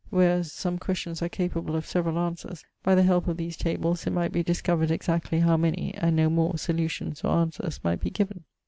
whereas some questions are capable of severall answers, by the help of these tables it might be discovered exactly how many, and no more, solutions, or answers, might be given.